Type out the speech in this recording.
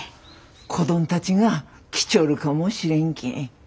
子どんたちが来ちょるかもしれんけん。